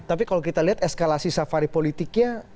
tapi kalau kita lihat eskalasi safari politiknya